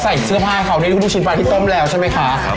ใส่เสื้อผ้าให้เขาดูนี่ดูชิ้นปลาที่ต้มแล้วใช่ไหมคะครับผม